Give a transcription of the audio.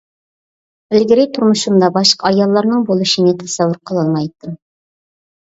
ئىلگىرى تۇرمۇشۇمدا باشقا ئاياللارنىڭ بولۇشىنى تەسەۋۋۇر قىلالمايتتىم.